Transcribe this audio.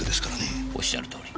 おっしゃる通り。